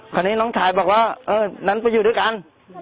คราวนี้น้องชายบอกว่าเออนั้นไปอยู่ด้วยกัน